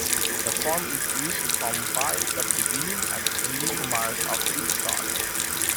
The form is used to compile the beginning and ending mark of each shot.